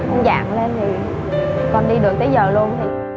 con dạng lên thì con đi được tới giờ luôn